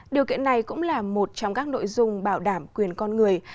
điều kiện này cũng là một trong các nội dung bảo đảm quyền con người